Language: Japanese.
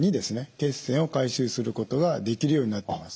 血栓を回収することができるようになってます。